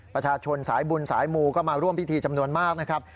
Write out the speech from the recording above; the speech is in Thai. ประชาชนสายบุญสายมูก็มาร่วมพิธีจำนวนมากนะครับ